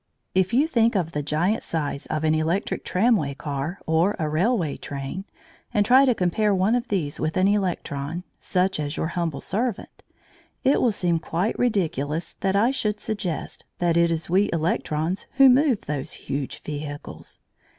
If you think of the giant size of an electric tramway car or a railway train, and try to compare one of these with an electron, such as your humble servant, it will seem quite ridiculous that I should suggest that it is we electrons who move those huge vehicles.